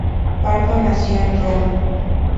Pardo nació en Roma.